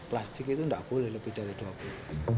plastik itu enggak boleh lebih dari dua puluh persen